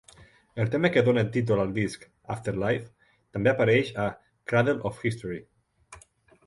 El tema que dóna títol al disc, "Afterlife", també apareix a "Cradle of History".